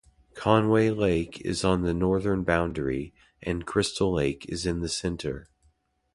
Conway Lake is on the northern boundary, and Crystal Lake is in the center.